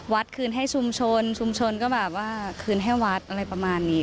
คืนให้ชุมชนชุมชนก็แบบว่าคืนให้วัดอะไรประมาณนี้